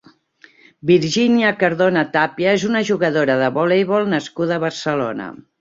Virginia Cardona Tapia és una jugadora de voleibol nascuda a Barcelona.